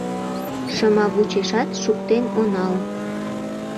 Шымавучешат шуктен она ул